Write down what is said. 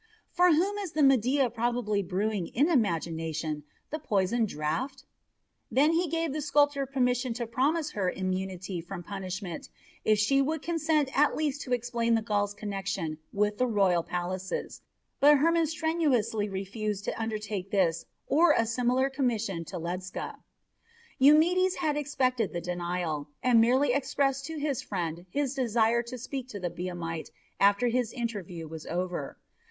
For whom is the Medea probably brewing in imagination the poisoned draught?" Then he gave the sculptor permission to promise her immunity from punishment if she would consent at least to explain the Gauls' connection with the royal palaces; but Hermon strenuously refused to undertake this or a similar commission to Ledscha. Eumedes had expected the denial, and merely expressed to his friend his desire to speak to the Biamite after his interview was over.